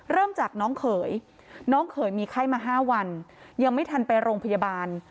เริ่มจากน้องเขยน้องเขยมีไข้มา๕วันยังไม่ทันไปโรงพยาบาล